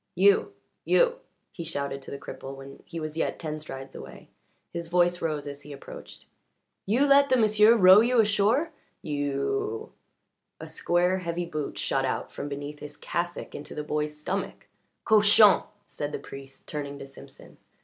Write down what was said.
"You you!" he shouted to the cripple when he was yet ten strides away. His voice rose as he approached. "You let the m'sieu' row you ashore! You " A square, heavy boot shot out from beneath his cassock into the boy's stomach. "Cochon!" said the priest, turning to Simpson.